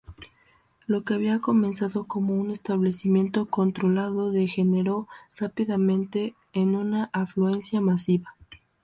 Lo que había comenzado como un establecimiento controlado degeneró rápidamente en una afluencia masiva.